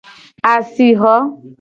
Asixo.